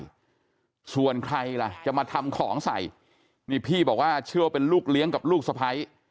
ด้วยส่วนใครล่ะจะมาทำของใส่นี่พี่บอกว่าเชื่อว่าเป็นลูกเลี้ยงกับลูกสะพ้าย